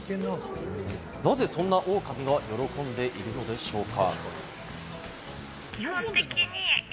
なぜ、そんなオオカミは喜んでいるのでしょうか？